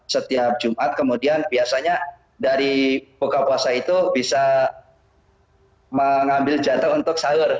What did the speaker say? setiap jumat kemudian biasanya dari buka puasa itu bisa mengambil jatuh untuk sahur